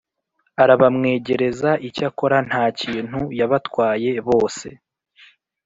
arabamwegereza Icyakora ntakintu yabatwaye bose